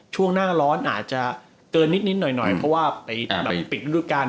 ช่วงหน้าร้อนอาจจะเกินนิดหน่อยเพราะว่าไปแบบปิดฤดูการ